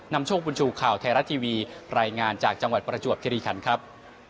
โชคบุญชูข่าวไทยรัฐทีวีรายงานจากจังหวัดประจวบคิริคันครับ